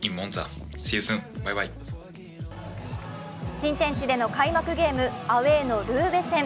新天地での開幕ゲーム、アウェーのルーベ戦。